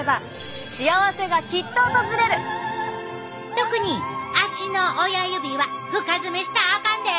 特に足の親指は深爪したらあかんで。